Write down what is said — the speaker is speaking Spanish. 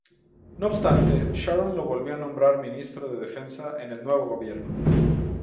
No obstante, Sharon lo volvió a nombrar ministro de Defensa en el nuevo gobierno.